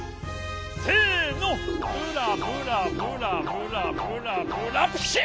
せのブラブラブラブラブラブラピシッ！